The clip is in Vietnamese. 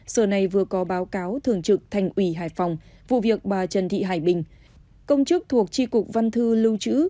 sở này vừa có báo cáo thường trực thành ủy hải phòng vụ việc bà trần thị hải bình công chức thuộc tri cục văn thư lưu trữ